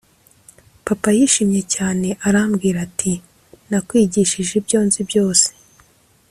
papa yishimye cyane arambwira ati: "nakwigishije ibyo nzi byose";